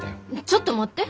ちょっと待って。